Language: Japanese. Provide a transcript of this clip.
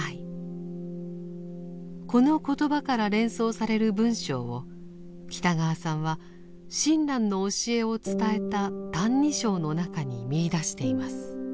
この言葉から連想される文章を北川さんは親鸞の教えを伝えた「歎異抄」の中に見いだしています。